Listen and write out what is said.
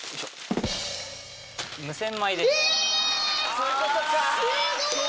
そういうことか！